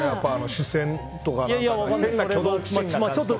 視線とか、変な挙動不審さ。